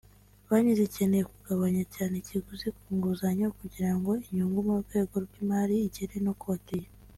Banki zikeneye kugabanya cyane ikiguzi ku nguzanyo kugirango inyungu mu rwego rw’imari igere no ku bakiriya